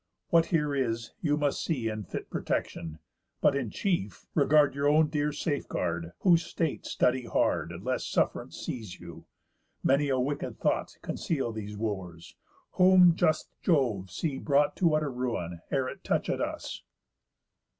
What here is, you must see In fit protection. But, in chief, regard Your own dear safeguard; whose state study hard, Lest suff'rance seize you. Many a wicked thought Conceal these Wooers; whom just Jove see brought To utter ruin, ere it touch at us."